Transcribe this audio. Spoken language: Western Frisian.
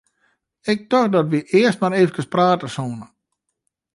Ik tocht dat wy earst eefkes prate soene.